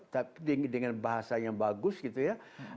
tapi dengan bahasanya bagus gitu ya